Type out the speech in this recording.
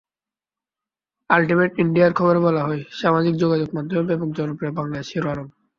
Ultimate ইন্ডিয়ার খবরে বলা হয়, সামাজিক যোগাযোগমাধ্যমে ব্যাপক জনপ্রিয় বাংলাদেশের হিরো আলম।